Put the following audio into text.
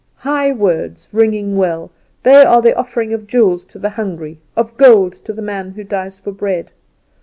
High words, ringing well; they are the offering of jewels to the hungry, of gold to the man who dies for bread.